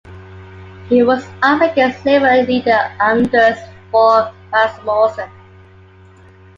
He was up against Liberal leader Anders Fogh Rasmussen.